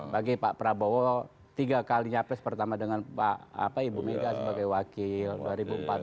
bagi pak prabowo tiga kali capres pertama dengan ibu mega sebagai wakil